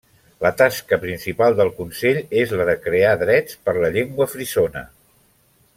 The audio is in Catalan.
La tasca principal del consell és la de crear drets per la llengua frisona.